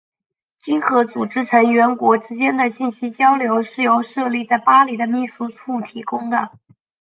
经合组织成员国之间的信息交流是由设立在巴黎的秘书处提供的。